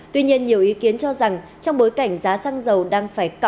tuy nhiên nhiều ý kiến cho rằng trong bối cảnh giá xăng dầu đang phải cao